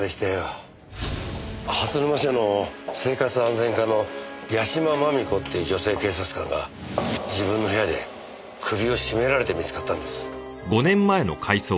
蓮沼署の生活安全課の屋島真美子っていう女性警察官が自分の部屋で首を絞められて見つかったんです。